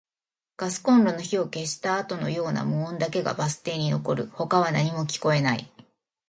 ガスコンロの火を消したあとのような無音だけがバス停に残る。他は何も聞こえない。